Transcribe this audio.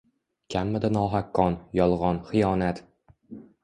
Kammidi nohaq qon, yolg‘on, xiyonat?